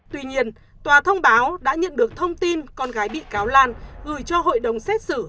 tuy nhiên tòa thông báo đã nhận được thông tin con gái bị cáo lan gửi cho hội đồng xét xử